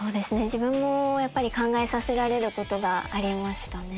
自分もやっぱり考えさせられることがありましたね。